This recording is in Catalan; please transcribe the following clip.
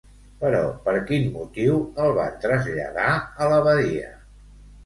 Però, per quin motiu el van traslladar a l'abadia?